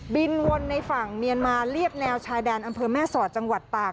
วนในฝั่งเมียนมาเรียบแนวชายแดนอำเภอแม่สอดจังหวัดตาก